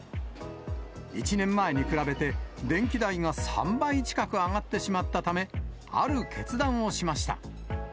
１年前に比べて、電気代が３倍近く上がってしまったため、ある決断をしました。